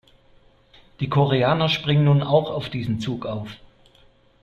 Die Koreaner springen nun auch auf diesen Zug auf.